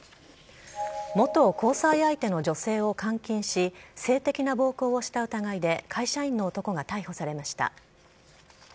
元交際相手の女性を監禁し、性的な暴行をした疑いで、会社員の男が逮捕されました。